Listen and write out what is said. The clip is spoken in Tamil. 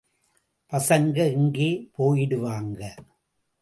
பசங்க எங்கே போயிடுவாங்க.